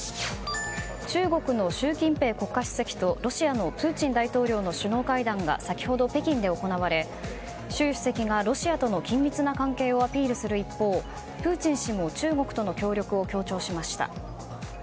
中国の習近平国家主席とロシアのプーチン大統領の首脳会談が先ほど北京で行われ習主席がロシアとの緊密な関係をアピールする一方プーチン氏も中国との協力を強調しました。